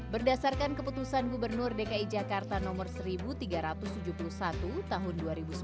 berdasarkan keputusan gubernur dki jakarta nomor seribu tiga ratus tujuh puluh satu tahun dua ribu sembilan belas